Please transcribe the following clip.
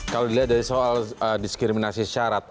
kalau dilihat dari soal diskriminasi syarat